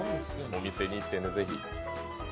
お店に行ってぜひ。